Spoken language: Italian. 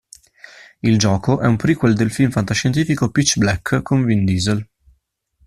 Il gioco è un prequel del film fantascientifico "Pitch Black" con Vin Diesel.